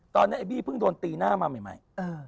ตอนนั้นคุณพึ่งโดนตีหน้ามาใหม่